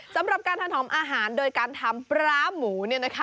สำหรับการถนอมอาหารโดยการทำปลาหมู